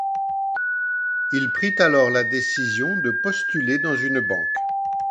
Il prit alors la décision de postuler dans une banque.